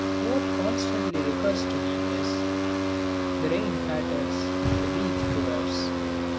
What constantly recurs to me is "The rain patters, the leaf quivers."